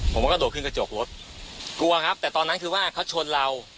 กระโดดขึ้นกระจกรถกลัวครับแต่ตอนนั้นคือว่าเขาชนเรา